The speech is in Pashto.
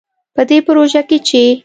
په دې پروژه کې چې